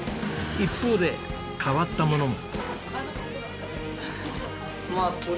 一方で変わったものも。